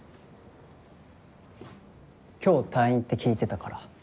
今日退院って聞いてたから。